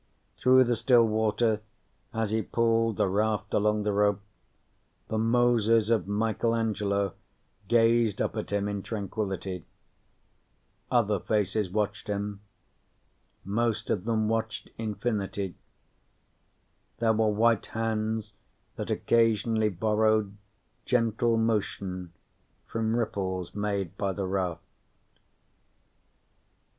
Through the still water, as he pulled the raft along the rope, the Moses of Michelangelo gazed up at him in tranquility. Other faces watched him. Most of them watched infinity. There were white hands that occasionally borrowed gentle motion from ripples made by the raft.